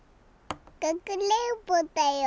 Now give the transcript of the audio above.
かくれんぼだよ！